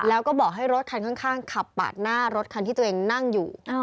แล้วก็บอกให้รถคันข้างขับปาดหน้ารถคันที่ตัวเองนั่งอยู่